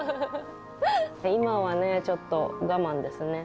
今はね、ちょっと我慢ですね。